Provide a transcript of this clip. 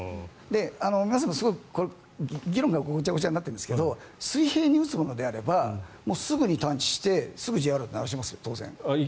皆さん、議論がごちゃごちゃになってるんですが水平に撃つものであればすぐに探知してすぐにＪアラート鳴らしますよ当然。